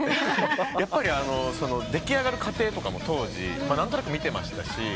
やっぱり出来上がる過程とかも当時何となく見てましたし。